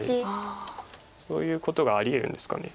そういうことがありえるんですかね。